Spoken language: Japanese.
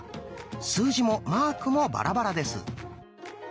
数字もマークもバラバラです。